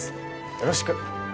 よろしく。